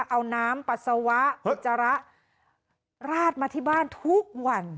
เอาน้ำปัสสาวะอุจจาระราดมาที่บ้านทุกวัน